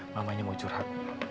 mamanya mau curhat